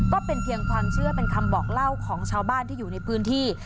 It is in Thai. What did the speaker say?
ก็เป็นเพียงความเชื่อเป็นคำบอกเล่าของชาวบ้านที่อยู่ในพื้นที่